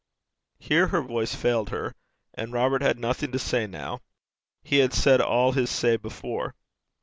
Here her voice failed her. And Robert had nothing to say now. He had said all his say before.